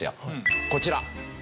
こちら。